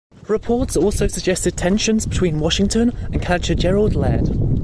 Reports also suggested tensions between Washington and catcher Gerald Laird.